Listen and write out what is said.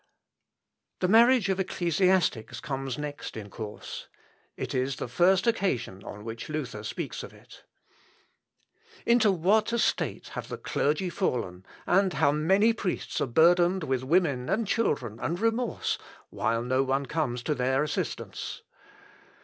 The marriage of ecclesiastics comes next in course. It is the first occasion on which Luther speaks of it. [Sidenote: FEAST DAYS. SUPPRESSION OF HERESY.] "Into what a state have the clergy fallen, and how many priests are burdened with women and children and remorse, while no one comes to their assistance?